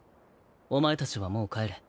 お前たちはもう帰れ。